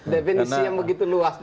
definisi yang begitu luas